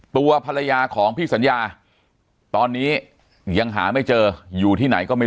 ตัวภรรยาของพี่สัญญาตอนนี้ยังหาไม่เจออยู่ที่ไหนก็ไม่